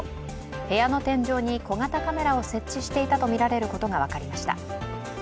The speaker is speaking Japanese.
部屋の天井に小型カメラを設置していたとみられることが分かりました。